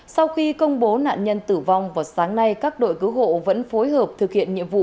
sau khi công bố nạn nhân tử vong vào sáng nay các đội cứu hộ vẫn phối hợp thực hiện nhiệm vụ